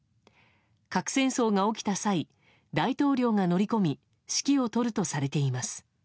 核戦争が起きた際大統領が乗り込み指揮を執るとされています。